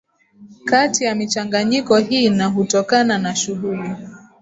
kati ya michanganyiko hii na hutokana na shughuli